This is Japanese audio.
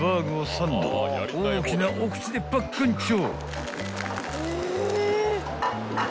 ［大きなお口でパックンチョ］